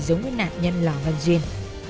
giống với nạn nhân lào văn duyên